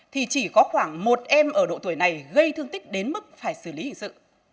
thì chỉ có khoảng một em ở độ tuổi này gây thương tích đến mức phải xử lý hình sự